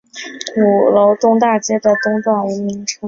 鼓楼东大街的东段无名称。